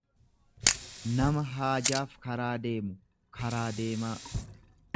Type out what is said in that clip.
nama haajaaf karaa deemu, karaa deemaa.